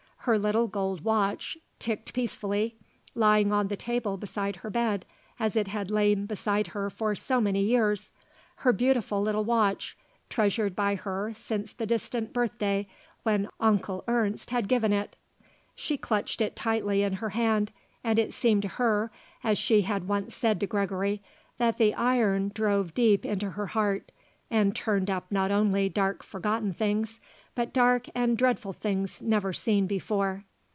Her little gold watch ticked peacefully, lying on the table beside her bed as it had lain beside her for so many years; her beautiful little watch, treasured by her since the distant birthday when Onkel Ernst had given it. She clutched it tightly in her hand and it seemed to her, as she had once said to Gregory, that the iron drove deep into her heart and turned up not only dark forgotten things but dark and dreadful things never seen before.